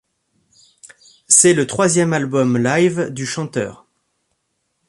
C'est le troisième album live du chanteur.